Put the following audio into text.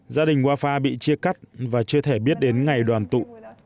gia đình wafa bị chia cắt và chưa thể biết đến ngày đoàn tụ